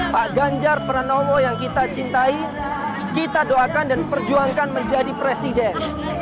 pak ganjar pranowo yang kita cintai kita doakan dan perjuangkan menjadi presiden